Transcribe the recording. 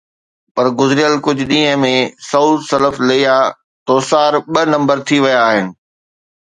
پر گذريل ڪجهه ڏينهن ۾ سعود سلف ليا توسار ٻه نمبر ٿي ويا آهن.